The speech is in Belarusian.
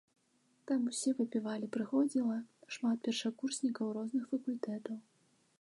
Там усе выпівалі, прыходзіла шмат першакурснікаў розных факультэтаў.